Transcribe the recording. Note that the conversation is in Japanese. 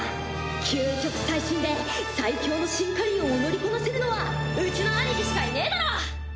究極最新で最強のシンカリオンを乗りこなせるのはうちの兄貴しかいねえだろ！